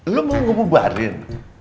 lu mau ngebuarin